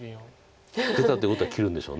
出たということは切るんでしょう。